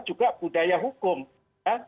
juga budaya hukum ya